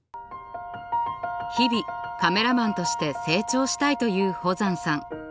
日々カメラマンとして成長したいという保山さん。